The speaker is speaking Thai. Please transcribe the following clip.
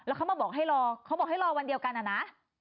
เขามาบอกให้รอเขาบอกให้รอวันเดียวกันอะนะ